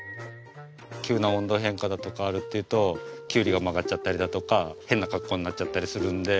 急な温度変化だとかあるっていうときゅうりが曲がっちゃったりだとか変な格好になっちゃったりするんで。